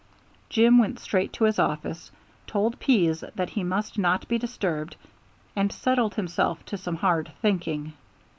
Jim went straight to his office, told Pease that he must not be disturbed, and settled himself to some hard thinking.